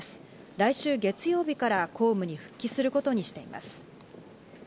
来週月曜日から公務に復帰することにしています。